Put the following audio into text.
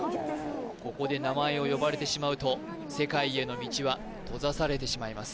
ここで名前を呼ばれてしまうと世界への道は閉ざされてしまいます